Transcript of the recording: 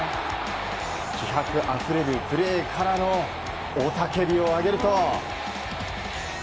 気迫あふれるプレーからの雄たけびを上げると。